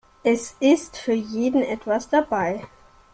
Es ist für jeden etwas dabei.